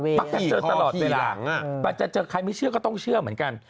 มักจะเจอใครไม่เชื่อก็ต้องเชื่อเหมือนกัน